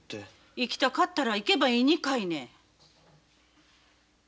行きたかったら行けばいいにかいね。